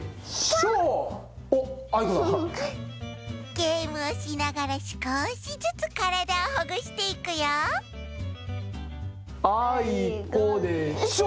ゲームをしながらすこしずつからだをほぐしていくよあいこでしょ！